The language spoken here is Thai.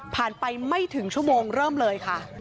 ไปไม่ถึงชั่วโมงเริ่มเลยค่ะ